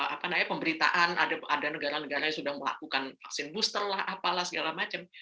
apa namanya pemberitaan ada negara negara yang sudah melakukan vaksin booster lah apalah segala macam